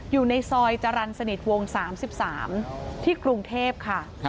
อยู่ในซอยจรรย์สนิทวง๓๓ที่กรุงเทพค่ะ